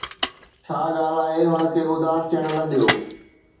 ڇا ڳالهه آهي، هن کي اداس ٿيڻ نه ڏيو